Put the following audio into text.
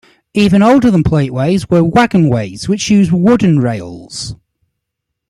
Even older than plateways were wagonways which used wooden rails.